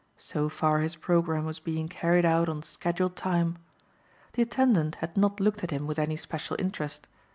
So far his programme was being carried out on scheduled time. The attendant had not looked at him with any special interest.